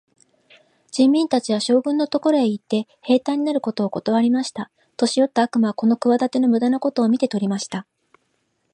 人民たちは、将軍のところへ行って、兵隊になることをことわりました。年よった悪魔はこの企ての駄目なことを見て取りました。